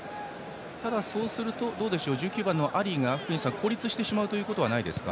ただ、そうなると１９番のアリが孤立してしまうことはないですか。